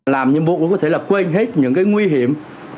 làm nhiệm vụ cũng có thể là quên hết những cái nguy hiểm